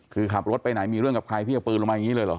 คือขับรถไปไหนมีเรื่องกับใครพี่เอาปืนลงมาอย่างนี้เลยเหรอ